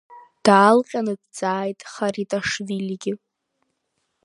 Даалҟьаны дҵааит Хариташвилигьы.